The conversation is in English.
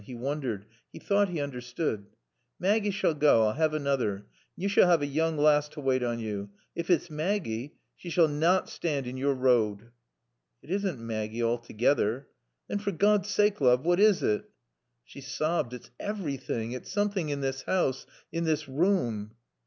He wondered. He thought he understood. "Maaggie sall goa. I'll 'ave anoother. An' yo sall 'ave a yooung laass t' waait on yo. Ef it's Maaggie, shea sall nat stand in yore road." "It isn't Maggie altogether." "Than for Gawd's saake, loove, what is it?" She sobbed. "It's everything. It's something in this house in this room."